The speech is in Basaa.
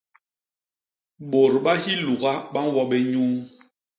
Bôt ba hiluga ba ñwo bé nyuu.